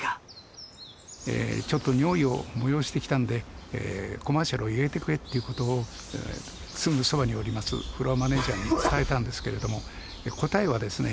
ちょっと尿意を催してきたんでコマーシャルを入れてくれという事をすぐそばにおりますフロアマネージャーに伝えたんですけれども答えはですね